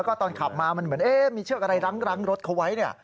ก็ตอนขับมามันเหมือนมีเชือกอะไรรั้งรถเขาไว้